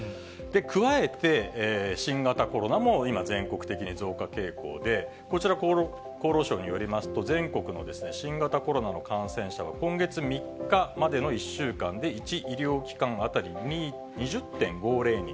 加えて、新型コロナも今、全国的に増加傾向で、こちら、厚労省によりますと、全国の新型コロナの感染者は、今月３日までの１週間で、１医療機関当たり２０．５０人。